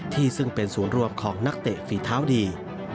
ซึ่งเป็นศูนย์รวมของนักเตะฝีเท้าดี